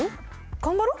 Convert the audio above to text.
頑張ろう！？